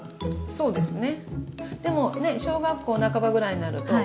そうですね